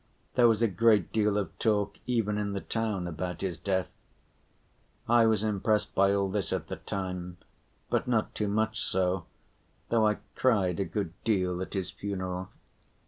There was a great deal of talk even in the town about his death. I was impressed by all this at the time, but not too much so, though I cried a good deal at his funeral.